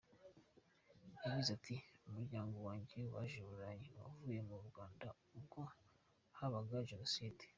Yagize ati "Umuryango wanjye waje i Burayi uvuye mu Rwanda ubwo habaga Jenoside.